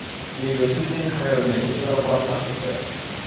তিনি রশিদ উদ্দীন খানের অধীনে উচ্চতর পড়াশোনা শেষ করেন।